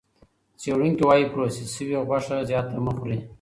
څېړونکي وايي پروسس شوې غوښه زیاته مه خورئ.